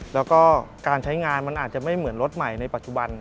แล้วก็การใช้งานมันอาจจะไม่เหมือนรถใหม่ในปัจจุบัน